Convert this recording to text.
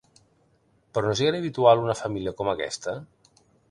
Però no és gaire habitual una família com aquesta?